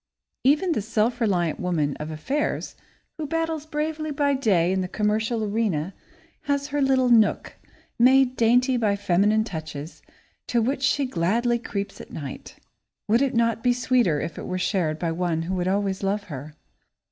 Even the self reliant woman of affairs who battles bravely by day in the commercial arena has her little nook, made dainty by feminine touches, to which she gladly creeps at night. Would it not be sweeter if it were shared by one who would always love her?